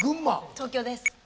東京です。